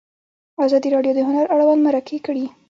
ازادي راډیو د هنر اړوند مرکې کړي.